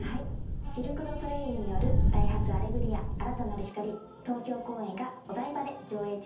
シルク・ドゥ・ソレイユによる『ダイハツアレグリア−新たなる光−』東京公演がお台場で上演中です。